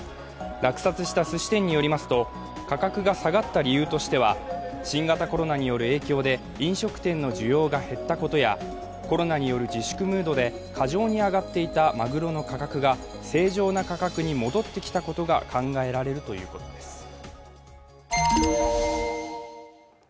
落札したすし店によりますと、価格が下がった理由としては新型コロナによる影響で飲食店の需要が減ったことやコロナによる自粛ムードで過剰に上がっていたまぐろの価格が正常な価格に戻ってきたことが考えられるということです。